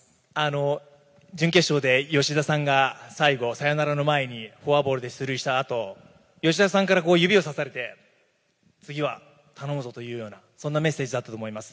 準決勝で吉田さんが、最後、サヨナラの前にフォアボールで出塁したあと、吉田さんから指をさされて、次は頼むぞというような、そんなメッセージだったと思います。